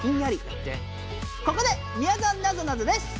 ここでみやぞんなぞなぞです！